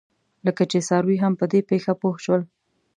لکه چې څاروي هم په دې پېښه پوه شول.